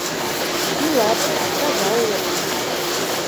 — Илат, таза улыт.